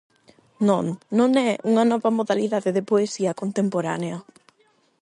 Non, non é unha nova modalidade de poesía contemporánea.